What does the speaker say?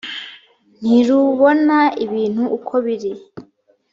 ntirubona ibintu uko biri